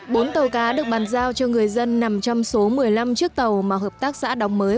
bốn tàu cá được bàn giao cho người dân nằm trong số một mươi năm chiếc tàu mà hợp tác xã đóng mới